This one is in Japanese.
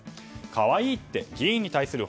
可愛いって、議員に対する